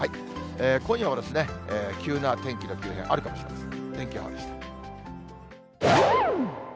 今夜も急な天気の急変あるかもしれません。